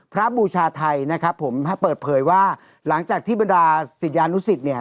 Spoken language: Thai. บูชาไทยนะครับผมเปิดเผยว่าหลังจากที่บรรดาศิษยานุสิตเนี่ย